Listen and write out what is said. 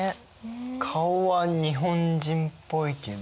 顔は日本人っぽいけど。